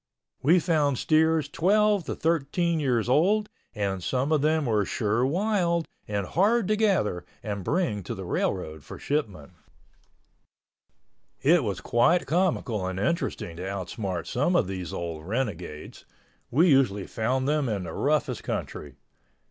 We found steers 12 to 13 years old and some of them were sure wild and hard to gather and bring to the railroad for shipment. It was quite comical and interesting to outsmart some of these old renegades. We usually found them in the roughest country.